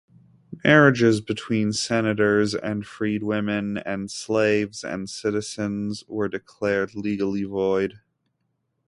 Marriages between senators and freed women, and slaves and citizens, were declared legally void.